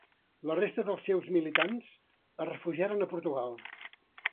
La resta dels seus militants es refugiaren a Portugal.